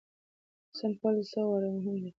ځان پوهول چې څه غواړئ مهم دی.